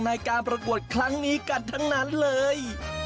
ในการประกวดครั้งนี้กันทั้งนั้นเลย